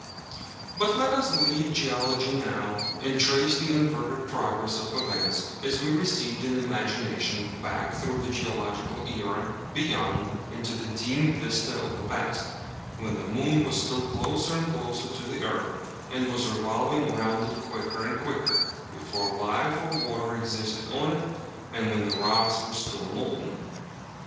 But let us leave geology now, and trace the inverted progress of events as we recede in imagination back through the geological era, beyond, into the dim vista of the past, when the moon was still closer and closer to the earth, and was revolving round it quicker and quicker, before life or water existed on it, and when the rocks were still molten.